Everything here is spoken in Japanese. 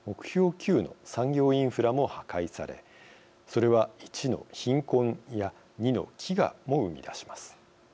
９の産業インフラも破壊されそれは、１の貧困や２の飢餓も生み出します。